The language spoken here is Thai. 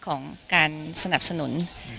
ของการสนับสนุน